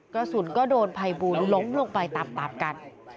กระสุนก็โดนภัยบูลล้มลงไปตามกัน